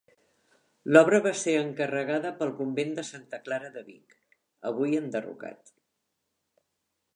L'obra va ser encarregada pel convent de Santa Clara de Vic, avui enderrocat.